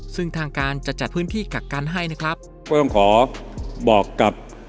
ซึ่งทางการจะจัดพื้นที่กักกันให้นะครับก็ต้องขอบอกกับ